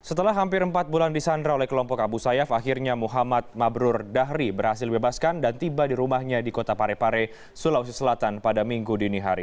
setelah hampir empat bulan disandra oleh kelompok abu sayyaf akhirnya muhammad mabrur dahri berhasil bebaskan dan tiba di rumahnya di kota parepare sulawesi selatan pada minggu dini hari